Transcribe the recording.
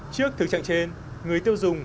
trước thực trạng trên người tiêu dùng